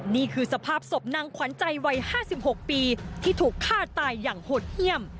นี่คือสภาพศพนางขวัญใจวัย๕๖ปีที่ถูกฆ่าตายอย่างหดเยี่ยม